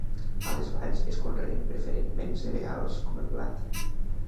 A les valls es conreen preferentment cereals, com el blat.